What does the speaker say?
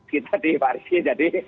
kita di paris jadi